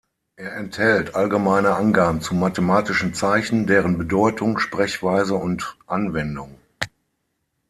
Er enthält allgemeine Angaben zu mathematischen Zeichen, deren Bedeutung, Sprechweise und Anwendung.